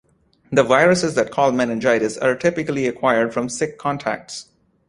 The viruses that cause meningitis are typically acquired from sick contacts.